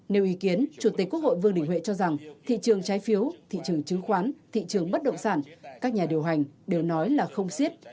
nếu ý kiến chủ tịch quốc hội vương đình huệ cho rằng thị trường trái phiếu thị trường chứng khoán thị trường bất động sản các nhà điều hành đều nói là không xiết